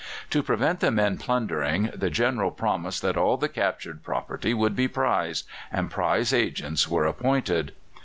To prevent the men plundering, the General promised that all the captured property should be prize, and prize agents were appointed.